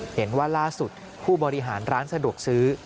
เห็นว่าล่าสุดผู้บริหารร้านสะดวกซื้อ